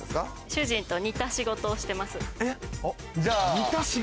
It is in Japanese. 主人と似た仕事をしています。